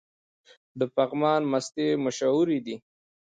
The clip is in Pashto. د پګمان مستې مشهورې دي؟